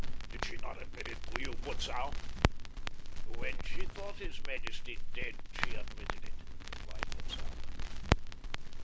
Did she not admit it to you, Butzow?" "When she thought his majesty dead she admitted it," replied Butzow.